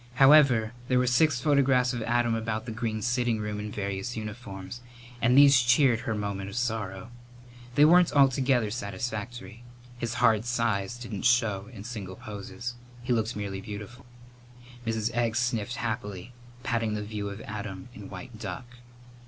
However, there were six photographs of Adam about the green sitting room in various uniforms, and these cheered her moment of sorrow. They weren't altogether satisfactory. His hard size didn't show in single poses. He looked merely beautiful. Mrs. Egg sniffled happily, patting the view of Adam in white duck.